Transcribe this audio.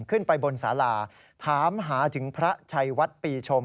ขึ้นไปบนสาราถามหาถึงพระชัยวัดปีชม